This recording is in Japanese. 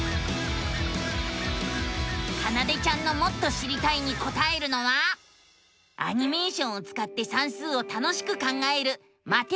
かなでちゃんのもっと知りたいにこたえるのはアニメーションをつかって算数を楽しく考える「マテマティカ２」。